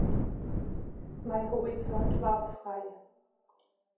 Mein Horizont war frei.